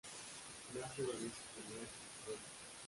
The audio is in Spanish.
Lazio ganó su primer "scudetto".